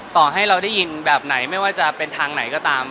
ต่อให้เราได้ยินแบบไหนไม่ว่าจะเป็นทางไหนก็ตาม